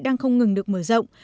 đang không ngừng được mở rộng